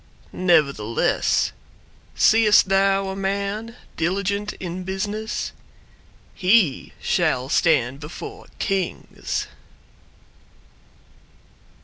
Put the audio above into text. Nevertheless Seest thou a man diligent in business? He shall stand before Kings!